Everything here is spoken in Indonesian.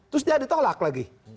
terus dia ditolak lagi